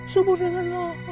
subuh dengan lo